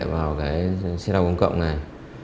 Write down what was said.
vào cái xe đoàn công cộng này